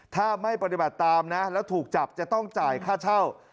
ถ้าไม่ปฏิบัติตามนะแล้วถูกจับจะต้องจ่ายค่าเช่า